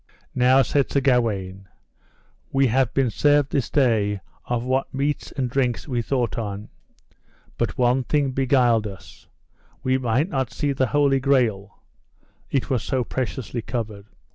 Now, said Sir Gawaine, we have been served this day of what meats and drinks we thought on; but one thing beguiled us, we might not see the Holy Grail, it was so preciously covered.